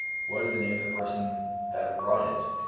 "What is the name of the person that brought it?"